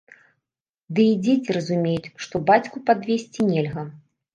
Ды і дзеці разумеюць, што бацьку падвесці нельга.